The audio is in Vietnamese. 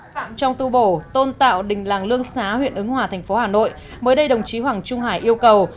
phạm trong tu bổ tôn tạo đình làng lương xá huyện ứng hòa tp hà nội mới đây đồng chí hoàng trung hải yêu cầu